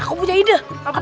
aku punya ide